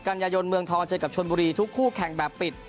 กันยายนเมืองทองเจอกับชนบุรีทุกคู่แข่งแบบปิด